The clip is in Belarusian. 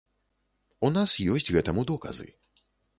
У нас ёсць гэтаму доказы.